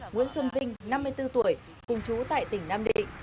nguyễn xuân vinh năm mươi bốn tuổi cùng chú tại tỉnh nam định